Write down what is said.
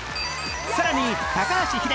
さらに高橋英樹